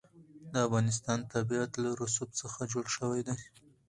د افغانستان طبیعت له رسوب څخه جوړ شوی دی.